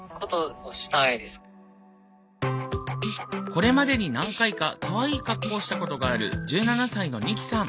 これまでに何回かかわいい格好をしたことがある１７歳のニキさん。